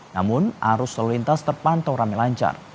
namun arus lalu lintas terpantau rame lancar